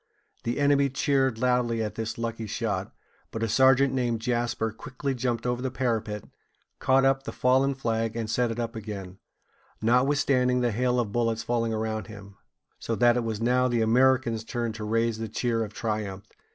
The enemy cheered loudly at this lucky shot; but a sergeant named Jasper quickly jumped over the parapet, caught up the fallen flag, and set it up again, notwithstanding the hail of bullets falling around him; so that it was now the Americans' turn to raise a cheer of triumph.